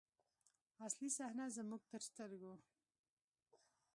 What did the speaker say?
اصلي صحنه زموږ تر سترګو.